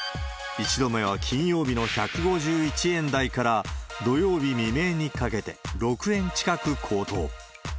１度目は金曜日の１５１円台から、土曜日未明にかけて６円近く高騰。